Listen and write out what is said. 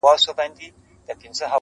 چــرته چې ایمان کلک پۀ دروغو وی